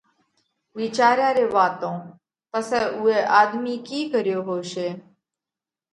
وِيچاريا ري واتون پسئہ اُوئہ آۮمِي ڪِي ڪريو هوشي